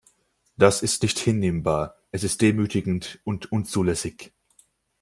Das ist nicht hinnehmbar, es ist demütigend und unzulässig.